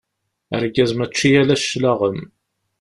Argaz mačči ala cclaɣem.